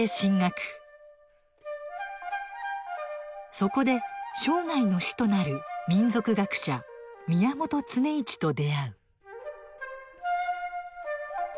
そこで生涯の師となる民俗学者・宮本常一と出会う。